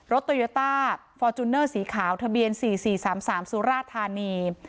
รถโตเยอต้าฟอร์จูเนอร์สีขาวทะเบียนสี่สี่สามสามสุราชธานี